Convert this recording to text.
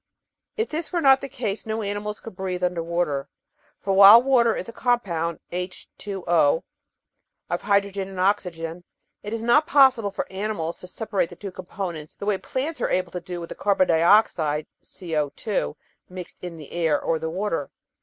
If this were not the case no animals could breathe under water, for while water is a compound (H^O) of hydrogen and oxygen, it is not possible for animals to separate the two components in the way plants are able to do with the car bon dioxide (CCh) mixed in the air or the water.